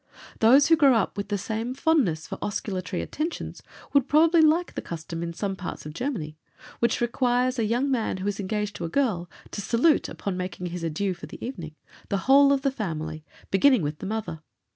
Those who grow up with the same fondness for osculatory attentions would probably like the custom in some parts of Germany, which requires a young man who is engaged to a girl, to salute, upon making his adieu for the evening, the whole of the family, beginning with the mother.